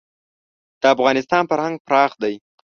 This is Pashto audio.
د افغانستان فرهنګ پراخ دی.